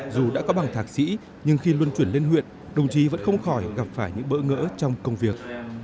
dù đã có bằng thạc sĩ nhưng khi luân chuyển lên huyện đồng chí vẫn không khỏi gặp phải những bỡ ngỡ trong công việc